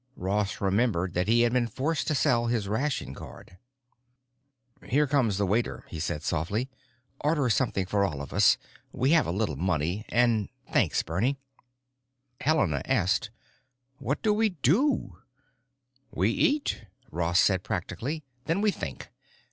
Ross remembered that he had been forced to sell his ration card. "Here comes the waiter," he said softly. "Order something for all of us. We have a little money. And thanks, Bernie." Helena asked, "What do we do?" "We eat," Ross said practically. "Then we think.